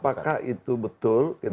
apakah itu betul